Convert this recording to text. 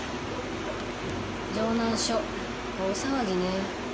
城南署大騒ぎね。